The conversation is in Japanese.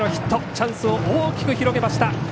チャンスを大きく広げました。